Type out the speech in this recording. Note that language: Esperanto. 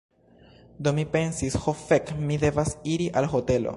Do mi pensis "Ho fek, mi devas iri al hotelo."